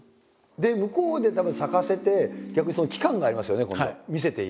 で向こうでたぶん咲かせて逆に期間がありますよね今度は見せている。